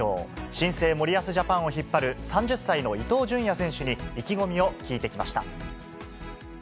新生森保ジャパンを引っ張る３０歳の伊東純也選手に、意気込みを聞いてきました。